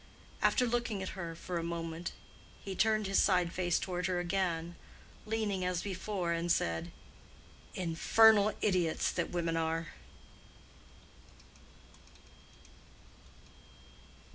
After looking at her for a moment, he turned his side face toward her again, leaning as before, and said, "Infernal idiots that women are!"